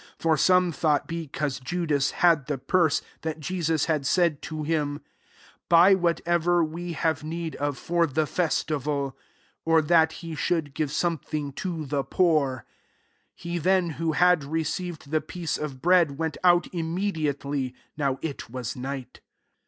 29 For some thought, because Judas had the purse, that Jesus had said to him, <' Buy what ever we have need of for the festival;" or, that he should give something to the poor. 30 He then who had received the piece of bread, went out immediately : now it was night.